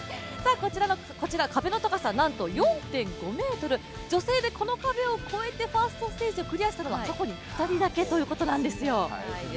こちら壁の高さ、なんと４．５ｍ、女性でこの壁を越えてファーストステージをクリアしたのは、過去に２人だけなんですよ。